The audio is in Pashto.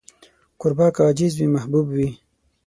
کوربه که عاجز وي، محبوب وي.